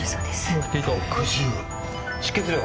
出血量は？